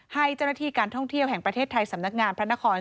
ให้เจ้าหน้าที่การท่องเที่ยวแห่งประเทศไทยสำนักงานพระนคร